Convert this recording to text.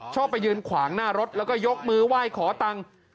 ชอบไปยืนขวางหน้ารถแล้วก็ยกมือไหว้ขอตังค์